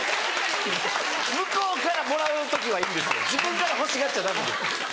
向こうからもらう時はいいですけど自分から欲しがっちゃダメです。